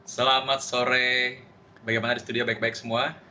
selamat sore bagaimana di studio baik baik semua